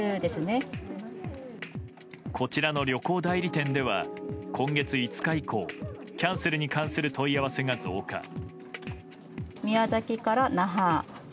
こちらの旅行代理店では今月５日以降キャンセルに関する問い合わせが増加。